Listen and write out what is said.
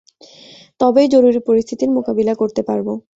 তবেই জরুরী পরিস্থিতির মোকাবেলা করতে পারব।